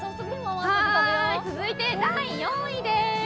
続いて第４位です。